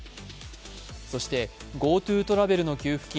そしてＧｏＴｏトラベルの給付金